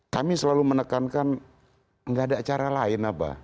kami selalu menekankan tidak ada cara lain pak